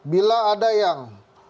bila ada yang